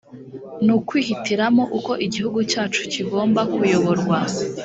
ni ukwihitiramo uko igihugu cyacu kigomba kuyoborwa